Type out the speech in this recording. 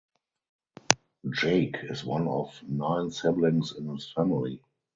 Jake is one of nine siblings in his family.